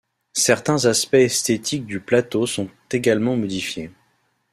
Certains aspects esthétiques du plateau sont également modifiés.